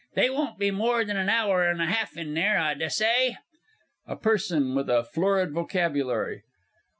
They won't be more than an hour and a half in there, I dessay. A PERSON WITH A FLORID VOCABULARY.